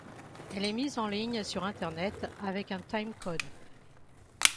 Elle est mise en ligne sur Internet avec un time code.